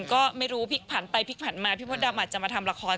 ก็ไม่รู้พี่ไปพี่ผ่านมาพี่มดดตอบอาจจะมาทำละคร